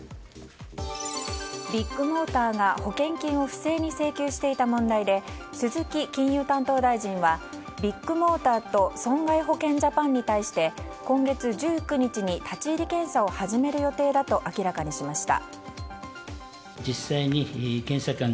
ビッグモーターが保険金を不正に請求していた問題で鈴木金融担当大臣はビッグモーターと損害保険ジャパンに対して今月１９日に立ち入り検査を始める予定だと明らかにしました。